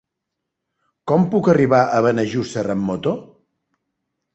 Com puc arribar a Benejússer amb moto?